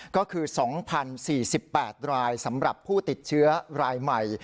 ก็คือ๒๐๔๘รายสำหรับผู้ติดเชื้อรายใหม่